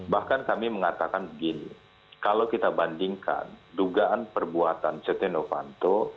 bahkan kami mengatakan begini kalau kita bandingkan dugaan perbuatan setia novanto